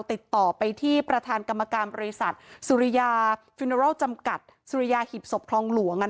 ติดต่อไปที่ประธานกรรมกรรมบริษัทสุริยาฮีบสบคลองหลวง